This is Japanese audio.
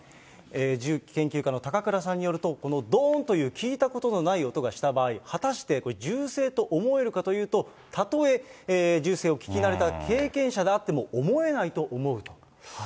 銃器研究家の高倉さんによると、このどーんという聞いたことのない音がした場合、果たして銃声と思えるかというと、たとえ銃声を聞き慣れた経験者であっても思えないと思うと。